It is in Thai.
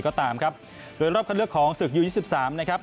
ก็ตามครับโดยรอบคันเลือกของศึกยู๒๓นะครับ